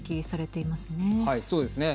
はい、そうですね。